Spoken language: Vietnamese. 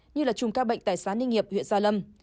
như là chùm ca bệnh tại xã ninh hiệp huyện gia lâm